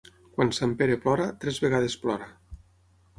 Quan Sant Pere plora, tres vegades plora.